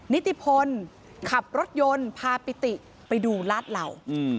นิติพลขับรถยนต์พาปิติไปดูลาดเหล่า